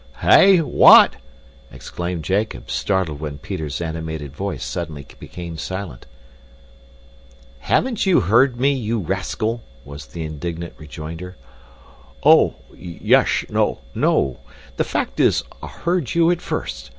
"Hey! What?" exclaimed Jacob, startled when Peter's animated voice suddenly became silent. "Haven't you heard me, you rascal?" was the indignant rejoinder. "Oh, yes no. The fact is, I heard you at first.